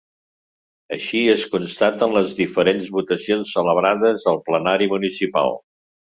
Així es constata en les diferents votacions celebrades al plenari municipal.